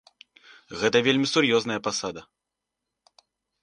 Гэта вельмі сур'ёзная пасада.